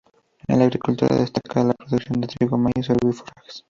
En la agricultura destaca la producción de trigo, maíz, sorgo y forrajes.